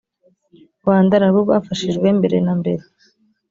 rwanda narwo rwafashijwe mbere na mbere